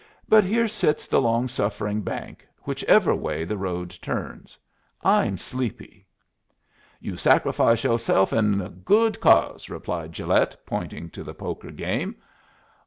"But here sits the long suffering bank, whichever way the road turns. I'm sleepy." "You sacrifice yo'self in the good cause," replied Gilet, pointing to the poker game.